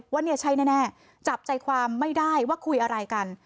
ว่าเนี่ยใช่แน่จับใจความไม่ได้ว่าคุยอะไรกัน